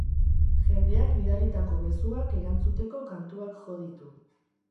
Jendeak bidalitako mezuak erantzuteko kantuak jo ditu.